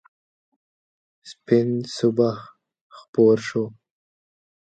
سپین صبح خپور شو.